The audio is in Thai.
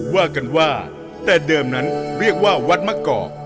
ว่ากันว่าแต่เดิมนั้นเรียกว่าวัดมะกอก